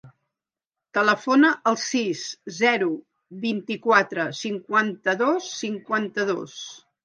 Telefona al sis, zero, vint-i-quatre, cinquanta-dos, cinquanta-dos.